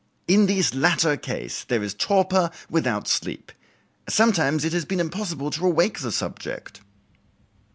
In this latter case there is torpor without sleep. Sometimes it has been impossible to awake the subject."